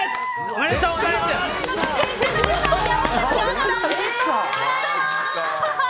おめでとうございます。